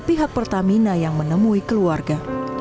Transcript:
pihak pertamina yang menemui keluarga